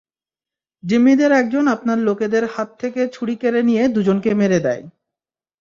জিম্মিদের একজন আপনার লোকেদের হাত থেকে ছুড়ি কেড়ে নিয়ে দুজনকে মেরে দেয়।